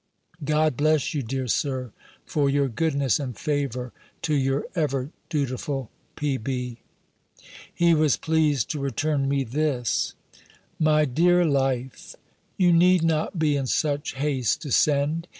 "God bless you, dear Sir, for your goodness and favour to your ever dutiful P.B." He was pleased to return me this: "MY DEAR LIFE, "You need not be in such haste to send.